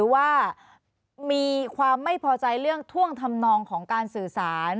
ว่ามีความไม่พอใจเรื่องท่วงทำนองของการสื่อสาร